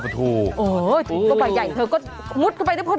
อรูปใหญ่